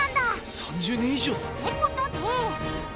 ３０年以上？ってことで！